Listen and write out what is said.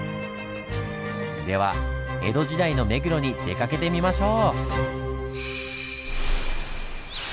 では江戸時代の目黒に出かけてみましょう！